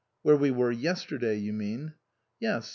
" Where we were yesterday, you mean." " Yes.